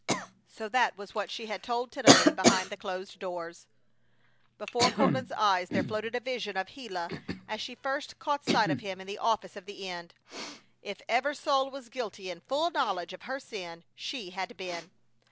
So that was what she had told Tennelly behind the closed doors! Before Courtland's eyes there floated a vision of Gila as she first caught sight of him in the office of the inn. If ever soul was guilty in full knowledge of her sin she had been!